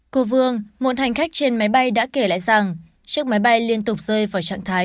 cô vương một hành khách trên máy bay đã kể lại rằng chiếc máy bay liên tục rơi vào trạng thái